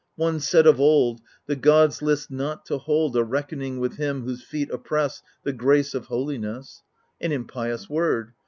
One said of old, The gods list not to hold A reckoning with him whose feet oppress The grace of holiness — An impious word